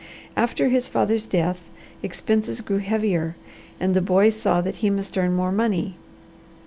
After his father's death expenses grew heavier and the boy saw that he must earn more money.